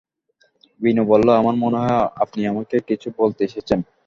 বিনু বলল, আমার মনে হয়, আপনি আমাকে কিছু বলতে এসেছেন।